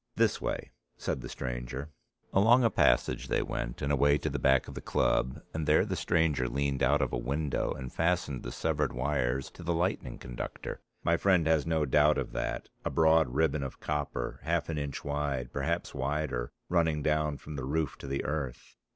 "This way," said the stranger. Along a passage they went and away to the back of the club and there the stranger leaned out of a window and fastened the severed wires to the lightning conductor. My friend has no doubt of that, a broad ribbon of copper, half an inch wide, perhaps wider, running down from the roof to the earth.